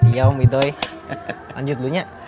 iya om widoy lanjut dulunya